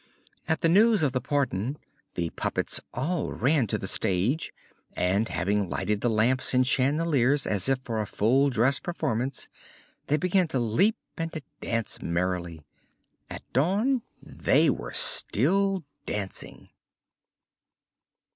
At the news of the pardon the puppets all ran to the stage and, having lighted the lamps and chandeliers as if for a full dress performance, they began to leap and to dance merrily. At dawn they were still dancing.